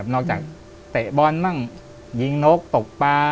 นอกจากเตะบ้อนบ้างยิงนกตกปลา